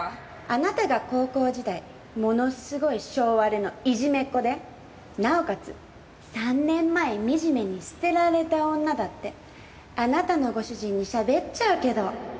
あなたが高校時代ものすごい性悪のいじめっ子でなおかつ３年前みじめに捨てられた女だってあなたのご主人に喋っちゃうけど。